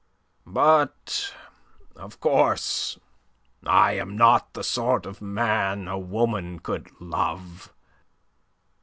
But, of course, I am not the sort of man a woman could love.